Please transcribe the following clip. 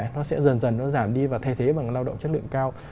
nó sẽ dần dần nó giảm đi và thay thế bằng lao động chất lượng cao